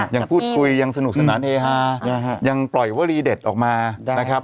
ยังพูดคุยยังสนุกสนานเฮฮายังปล่อยวลีเด็ดออกมานะครับ